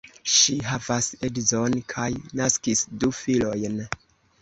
Ŝi havas edzon kaj naskis du filojn.